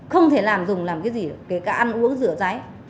không thể làm dùng làm cái gì kể cả ăn uống rửa giấy